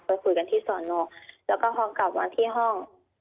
ไปคุยกันที่สอนอแล้วก็พอกลับมาที่ห้อง